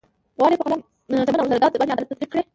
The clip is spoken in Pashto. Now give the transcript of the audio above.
غواړي په قلم، چمن او زرداد باندې عدالت تطبيق کړي.